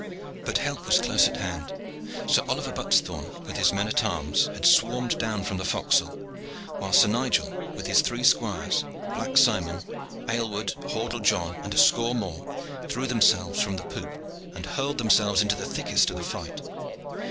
But help was close at hand. Sir Oliver Buttesthorn with his men at arms had swarmed down from the forecastle, while Sir Nigel, with his three squires, Black Simon, Aylward, Hordle John, and a score more, threw themselves from the poop and hurled themselves into the thickest of the fight.